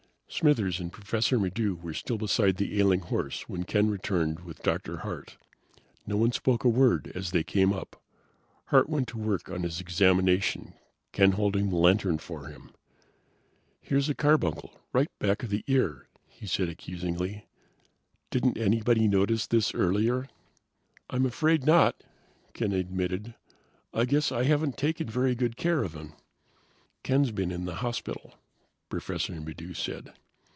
Smithers and Professor Maddox were still beside the ailing horse when Ken returned with Dr. Hart. No one spoke a word as they came up. Hart went to work on his examination, Ken holding the lantern for him. "Here's a carbuncle, right back of the ear!" he said accusingly. "Didn't anybody notice this earlier?" "I'm afraid not," Ken admitted. "I guess I haven't taken very good care of him." "Ken's been in the hospital," Professor Maddox said.